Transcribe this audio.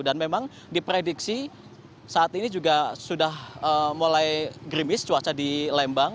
dan memang diprediksi saat ini juga sudah mulai grimis cuaca di lembang